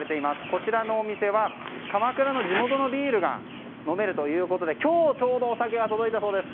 こちらのお店は鎌倉の地元のビールが飲めるということでちょうど今日お酒が届いたそうです。